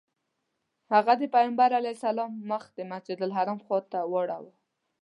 هغه د پیغمبر علیه السلام مخ د مسجدالحرام خواته واړوه.